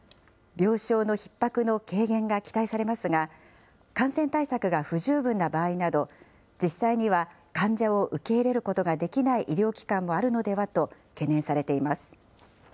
病床のひっ迫の軽減が期待されますが、感染対策が不十分な場合など、実際には患者を受け入れることができない医療機関もあるのではと、懸念されています。